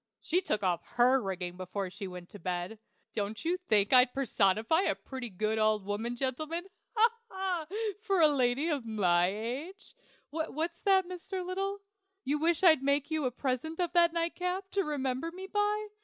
She took off her rigging before she went to bed. Don't you think I'd personify a pretty good old woman, gentlemen ha! ha! for a lady of my age? What's that, Mr. Little? You wish I'd make you a present of that nightcap, to remember me by?